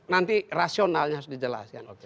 nanti rasionalnya harus dijelaskan